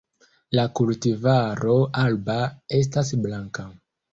La kultivaro 'Alba' estas blanka.